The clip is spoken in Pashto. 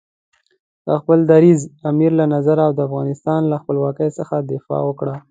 د خپل دریځ، امیر له نظر او د افغانستان له خپلواکۍ څخه دفاع وکړه.